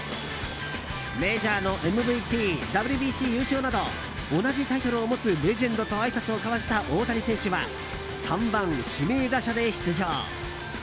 メジャーのＭＶＰＷＢＣ優勝など同じタイトルを持つレジェンドとあいさつを交わした大谷選手は３番指名打者で出場。